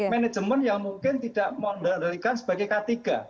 manajemen yang mungkin tidak mengendalikan sebagai k tiga